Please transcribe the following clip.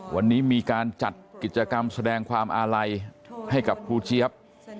วันนี้มีการจัดกิจกรรมแสดงความอาลัยให้กับครูเจี๊ยบ